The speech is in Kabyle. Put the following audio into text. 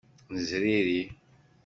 Nezriri.